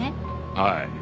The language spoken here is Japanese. はい。